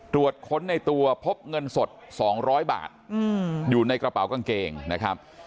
ตรวจค้นในตัวพบเงินสด๒๐๐บาทอยู่ในกระเป๋ากางเกงนะครับ